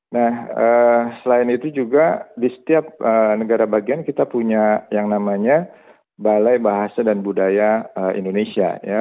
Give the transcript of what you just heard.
nah selain itu juga di setiap negara bagian kita punya yang namanya balai bahasa dan budaya indonesia